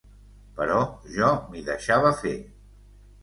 Però jo m'hi deixava fer.